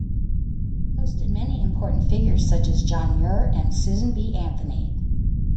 Hosted many important figures such as John Muir and Susan B. Anthony.